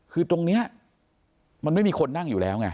คือตรงนี้มันไม่มีคนนั่งอยู่แล้วไง